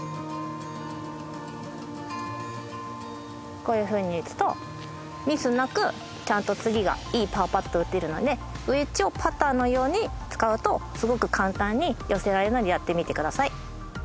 こういうふうに打つとミスなくちゃんと次がいいパーパット打てるのでウェッジをパターのように使うとすごく簡単に寄せられるのでやってみてください。